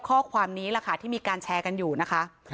ข้อความนี้แหละค่ะที่มีการแชร์กันอยู่นะคะ